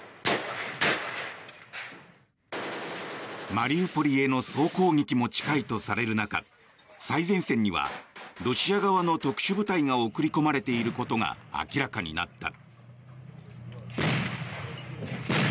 マリウポリへの総攻撃も近いとされる中最前線にはロシア側の特殊部隊が送り込まれていることが明らかになった。